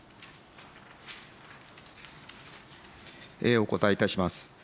お答えいたします。